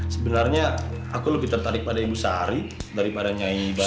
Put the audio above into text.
sebenarnya aku lebih tertarik pada ibu sari daripada nyai bayi